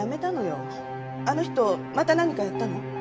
あの人また何かやったの？